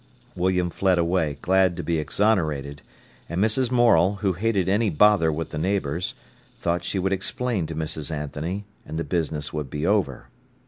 William fled away, glad to be exonerated. And Mrs. Morel, who hated any bother with the neighbours, thought she would explain to Mrs. Anthony, and the business would be over.